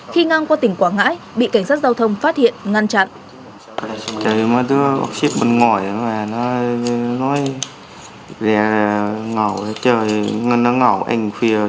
khi ngang qua tỉnh quảng ngãi bị cảnh sát giao thông phát hiện ngăn chặn